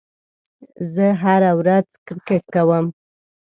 زه هره ورځ کرېکټ کوم.